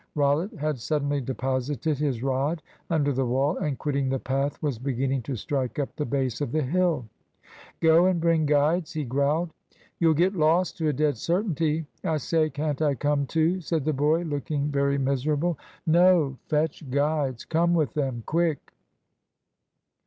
Rollitt had suddenly deposited his rod under the wall, and quitting the path was beginning to strike up the base of the hill. "Go, and bring guides," he growled. "You'll get lost, to a dead certainty. I say, can't I come too?" said the boy, looking very miserable. "No. Fetch guides. Come with them. Quick."